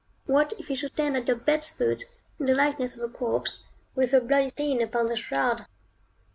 What if he should stand at your bed's foot, in the likeness of a corpse, with a bloody stain upon the shroud?